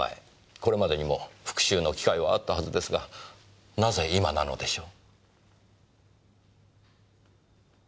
これまでにも復讐の機会はあったはずですがなぜ今なのでしょう？